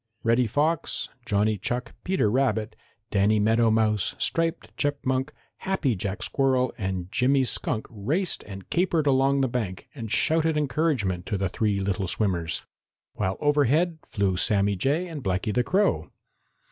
Reddy Fox, Johnny Chuck, Peter Rabbit, Danny Meadow Mouse, Striped Chipmunk, Happy Jack Squirrel and Jimmy Skunk raced and capered along the bank and shouted encouragement to the three little swimmers, while over head flew Sammy Jay and Blacky the Crow.